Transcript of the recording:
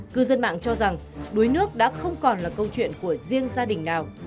cư dân mạng cho rằng đuối nước đã không còn là câu chuyện của riêng gia đình nào